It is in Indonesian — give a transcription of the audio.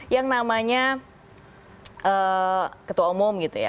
yang namanya ketua umum gitu ya